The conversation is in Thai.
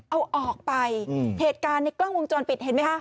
เอาออกไปเหตุการณ์ในกล้องวงจรปิดเห็นไหมคะ